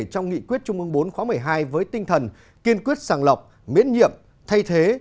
trong nghị quyết trung ương bốn khóa một mươi hai với tinh thần kiên quyết sàng lọc miễn nhiệm thay thế